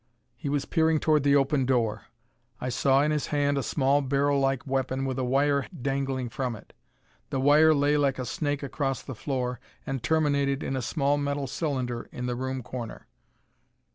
He was peering toward the open door. I saw in his hand a small, barrel like weapon, with a wire dangling from it. The wire lay like a snake across the floor and terminated in a small metal cylinder in the room corner.